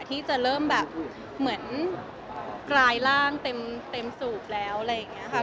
ที่จะเริ่มแบบเหมือนกลายร่างเต็มสูบแล้วอะไรอย่างนี้ค่ะ